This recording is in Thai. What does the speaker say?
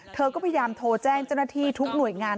เธอก็พยายามโทรแจ้งเจ้าหน้าที่ทุกหน่วยงาน